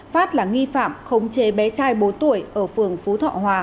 phát là nghi phạm khống chế bé trai bốn tuổi ở phường phú thọ hòa